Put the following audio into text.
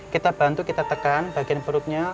kita bantu kita tekan bagian perutnya